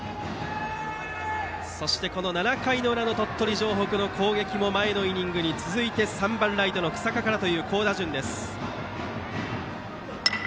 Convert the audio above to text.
そして７回裏の鳥取城北の攻撃も前のイニングに続いて３番ライトの日下からという好打順。